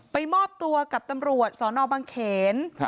มอบตัวกับตำรวจสนบังเขน